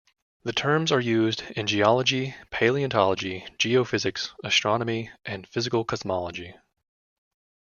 The terms are used in geology, paleontology, geophysics, astronomy and physical cosmology.